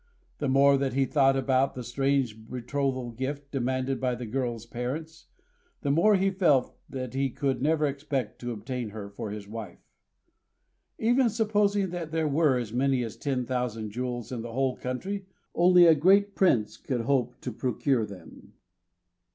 The more that he thought about the strange betrothal gift demanded by the girl's parents, the more he felt that he could never expect to obtain her for his wife. Even supposing that there were as many as ten thousand jewels in the whole country, only a great prince could hope to procure them.